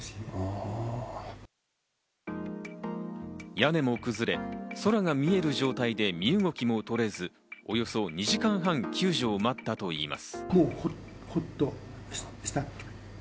屋根も崩れ、空が見える状態で身動きも取れず、およそ２時間半、救助を待ったといいます。